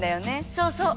そうそう！